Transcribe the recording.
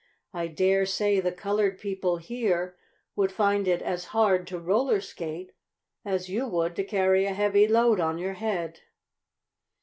I dare say the colored people here would find it as hard to roller skate as you would to carry a heavy load on your head."